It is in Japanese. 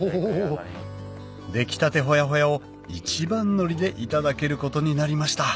出来たてホヤホヤを一番乗りでいただけることになりました